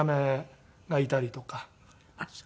ああそう。